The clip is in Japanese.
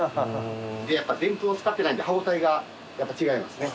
やっぱでんぷんを使ってないんで歯応えがやっぱ違いますね。